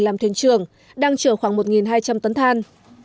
làm thuyền trưởng đang chở khoảng một hai trăm linh tấn than